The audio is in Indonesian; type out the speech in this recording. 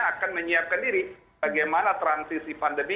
akan menyiapkan diri bagaimana transisi pandemi